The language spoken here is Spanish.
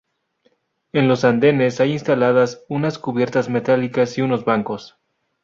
En los andenes hay instaladas unas cubiertas metálicas y unos bancos.